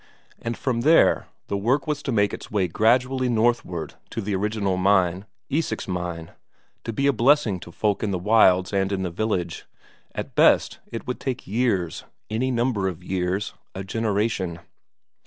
And from there the work was to make its way gradually northward to the original mine, Isak's mine, to be a blessing to folk in the wilds and in the village. At best, it would take years, any number of years, a generation.